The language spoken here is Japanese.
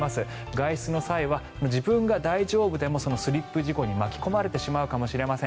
外出の際は自分が大丈夫でもスリップ事故に巻き込まれてしまうかもしれません。